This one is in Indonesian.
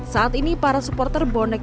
saat ini para supporter bonek